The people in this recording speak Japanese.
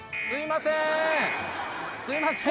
すいません。